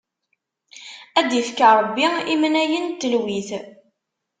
Ad d-ifk Ṛebbi imnayen n telwit!